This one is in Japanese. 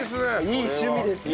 いい趣味ですね。